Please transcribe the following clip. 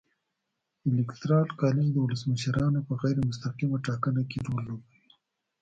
الېکترال کالج د ولسمشرانو په غیر مستقیمه ټاکنه کې رول لوبوي.